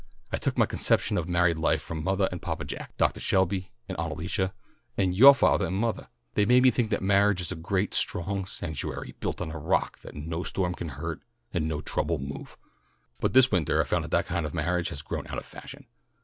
I took my conception of married life from mothah and Papa Jack, Doctah Shelby and Aunt Alicia, and yoah fathah and mothah. They made me think that marriage is a great strong sanctuary, built on a rock that no storm can hurt and no trouble move. But this wintah I found that that kind of marriage has grown out of fashion.